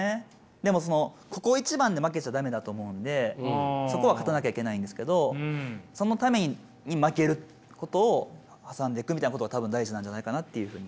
でもそのここ一番で負けちゃ駄目だと思うんでそこは勝たなきゃいけないんですけどそのために負けることを挟んでいくみたいなことが多分大事なんじゃないかなっていうふうに。